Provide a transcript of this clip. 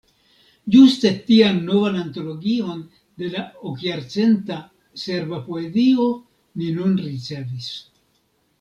Ĝuste tian novan antologion, de la okjarcenta serba poezio, ni nun ricevis.